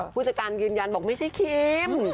ผู้จัดการยืนยันบอกไม่ใช่คิม